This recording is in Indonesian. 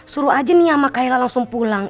suruh aja nih sama kaila langsung pulang